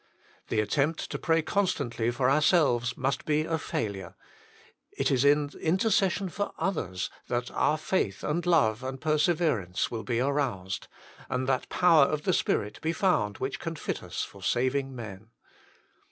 The attempt to pray constantly for ourselves must be a failure ; it is in intercession for others that our faith and love and perse verance will be aroused, and that power of the Spirit be found which can fit us for saving men.